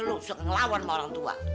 lo bisa ngelawan sama orang tua